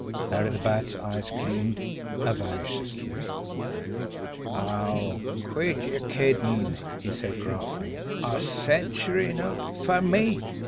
Larry the Bat's eyes gleamed avariciously. "Aw, quit yer kiddin'!" he said gruffly. "A century note fer me!"